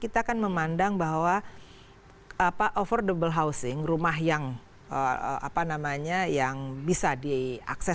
kita kan memandang bahwa affordable housing rumah yang bisa diakses